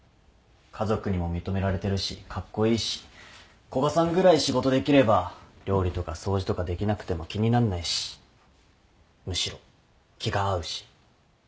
家族にも認められてるしカッコイイし古賀さんぐらい仕事できれば料理とか掃除とかできなくても気になんないしむしろ気が合うし？